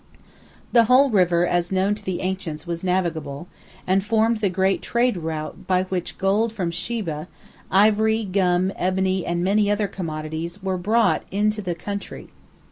The whole river as known to the ancients was navigable, and formed the great trade route by which gold from Sheba, ivory, gum, ebony, and many other commodities were brought into the country.